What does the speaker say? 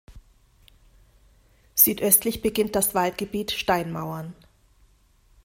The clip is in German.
Südöstlich beginnt das Waldgebiet "Steinmauern".